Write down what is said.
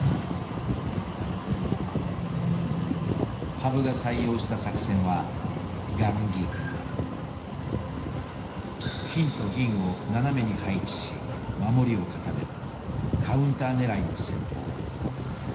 羽生が採用した作戦は金と銀を斜めに配置し守りを固めるカウンターねらいの戦法。